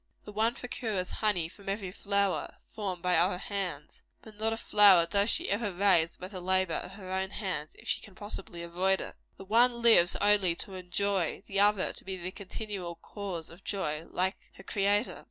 The one procures honey from every flower formed by other hands but not a flower does she ever raise by the labor of her own hands, if she can possibly avoid it. The one lives only to enjoy; the other, to be the continual cause of joy, like her Creator.